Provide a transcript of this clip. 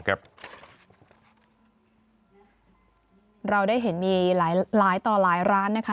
เราได้เห็นมีหลายต่อหลายร้านนะคะ